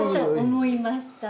思いました。